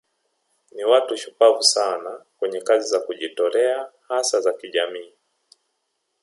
Ni watu shupavu sana kwenye kazi za kujitolea hasa za kijamii